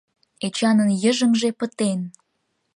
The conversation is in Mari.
Эчанын йыжыҥже пытен.